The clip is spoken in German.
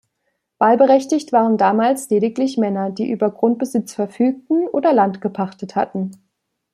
Wahlberechtigt waren damals lediglich Männer, die über Grundbesitz verfügten oder Land gepachtet hatten.